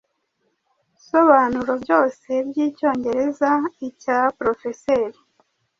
sobanuro byose byicyongereza icya Porofeseri